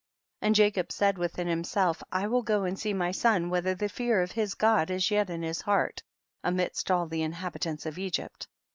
3. And Jacob said within himself, I will go and see my son whether the fear of his God is yet in his heart amidst all the inhabitants of Egypt.